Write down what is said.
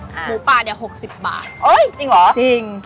หมูปลาเดี๋ยว๖๐บาทจริงหรอจริง